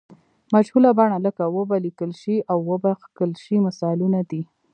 مجهوله بڼه لکه و به لیکل شي او و به کښل شي مثالونه دي.